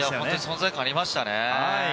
存在感がありましたよね。